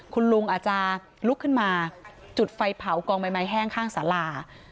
คุณลุงอาจจะลุกขึ้นมาจุดไฟเผากองใบไม้แห้งข้างสารา